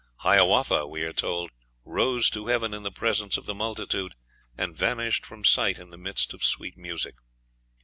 Hiawatha, we are told, rose to heaven in the presence of the multitude, and vanished from sight in the midst of sweet music.